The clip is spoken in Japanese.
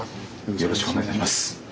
よろしくお願いします。